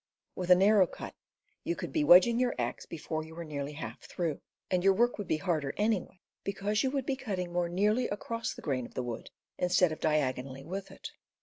With a narrow cut you would be wedging your axe before you were nearly half through; and your work would be harder, anyway, because you would be cutting more nearly across the grain of the wood, in stead of diagonally with it.